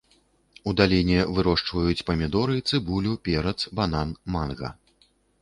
У даліне вырошчваюць памідоры, цыбулю, перац, банан, манга.